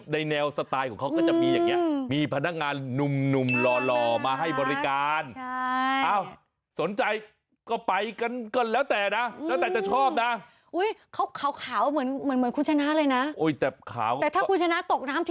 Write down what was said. แล้วพอจอดรถปุ้บนะคะอันนี้เล่านิดหนึ่งนะ